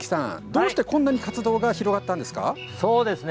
どうしてこんなに活動が広がったんですか。